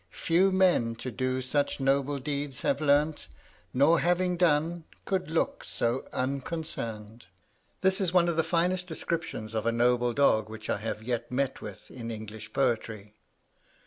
Few men to do such noble deeds have learn'd, Nor having done, could look so unconcern'd." This is one of the finest descriptions of a noble dog which I have yet met with in English poetry.